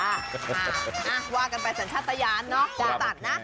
อ่ะว่ากันไปสัญชาติยานเนอะตัดนะ